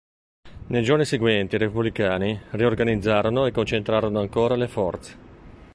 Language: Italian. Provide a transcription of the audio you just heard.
Nei giorni seguenti i repubblicani riorganizzarono e concentrarono ancora le forze.